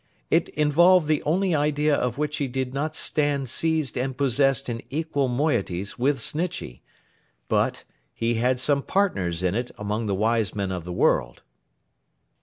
It involved the only idea of which he did not stand seized and possessed in equal moieties with Snitchey; but, he had some partners in it among the wise men of the world.